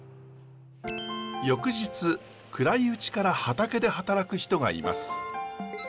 翌日暗いうちから畑で働く人がいます。